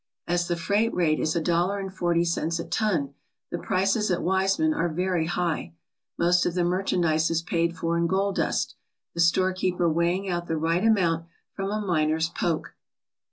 As the freight rate is a dollar and forty cents a ton, the prices at Wiseman are very high. Most of the merchandise is paid for in gold dust, the store keeper weighing out the right amount from a miner's poke.